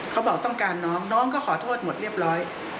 เขาบอกต้องการน้องน้องก็ขอโทษหมดเรียบร้อย